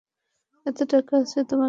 এত টাকা আছে তোমার কাছে?